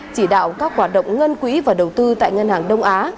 chỉ đạo các hoạt động ngân quỹ và đầu tư tại ngân hàng đông á